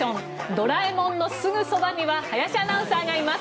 ドラえもんのすぐそばには林アナウンサーがいます。